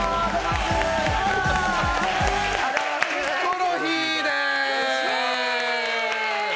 ヒコロヒーです！